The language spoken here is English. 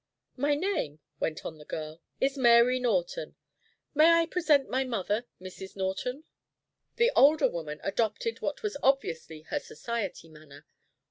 "My name," went on the girl, "is Mary Norton. May I present my mother, Mrs. Norton?" The older woman adopted what was obviously her society manner.